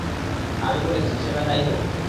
আমি বলেছি, সেটা যাই হোক।